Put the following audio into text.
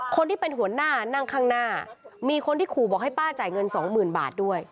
คนที่เป็นหัวหน้านั่งข้างหน้ามีคนที่ขู่บอกให้ป้าจ่ายเงินสองหมื่นบาทด้วย